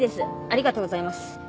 ありがとうございます。